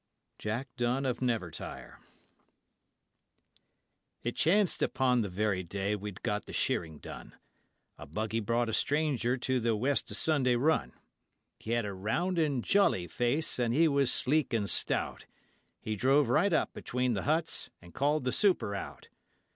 Jack Dunn of Nevertire It chanced upon the very day we'd got the shearing done, A buggy brought a stranger to the West o' Sunday Run; He had a round and jolly face, and he was sleek and stout, He drove right up between the huts and called the super out.